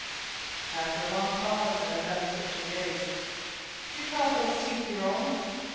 After a long pause, and another searching gaze, "Do you call those teeth your own?"